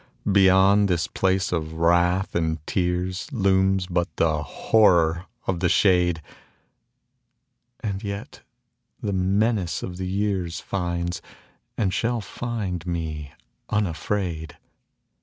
Beyond this place of wrath and tears Looms but the Horror of the shade, And yet the menace of the years Finds, and shall find, me unafraid.